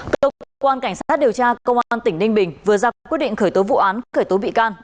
cơ quan cảnh sát điều tra công an tỉnh ninh bình vừa ra các quyết định khởi tố vụ án khởi tố bị can